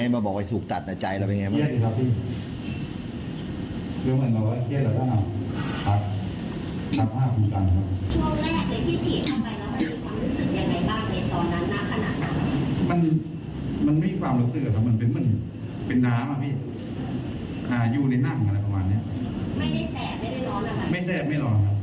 ไม่แดบไม่หล่อครับมันปกติ